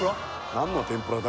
何の天ぷらだ